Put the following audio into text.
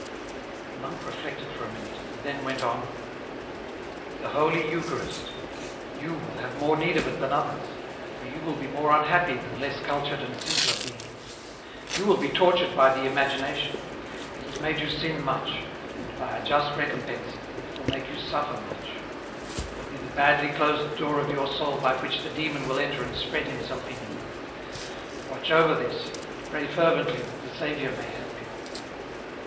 The monk reflected a minute, and then went on, " The holy Eucharist ... you will have more need of it than others, for you will be more unhappy than less cultured and simpler beings. You will be tortured by the imagination. It has made you sin much ; and, by a just recompense, it will make you suffer much ; it will be the badly closed door of your soul by which the Demon will o 194 EN ROUTE. enter and spread himself in you. Watch over this, and pray fervently that the Saviour may help you.